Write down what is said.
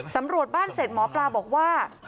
สำรวจบ้านเสร็จหมอปลาบอกว่า